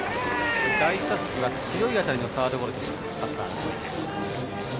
第１打席は強い当たりのサードゴロでした。